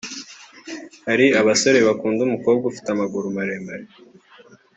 hari abasore bakunda umukobwa ufite amaguru maremare